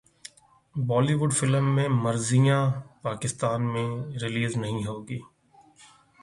بولی would film من مرضیاں پاکستان میں ریلیز نہیں ہوگی